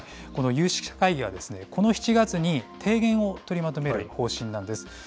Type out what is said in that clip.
この有識者会議は、この７月に提言を取りまとめる方針なんです。